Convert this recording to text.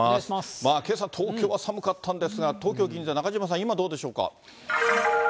まあ、けさ東京は寒かったんですが、東京・銀座、中島さん、今どうでしょうか。